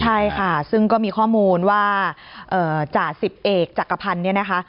ใช่ค่ะซึ่งก็มีข้อมูลว่าจ่าสิบเอกจักรพันธ์เนี่ยนะคะ